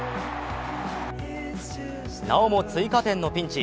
なおも追加点のピンチ